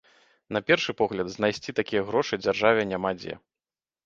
На першы погляд, знайсці такія грошы дзяржаве няма дзе.